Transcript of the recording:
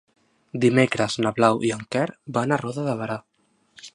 Dimecres na Blau i en Quer van a Roda de Berà.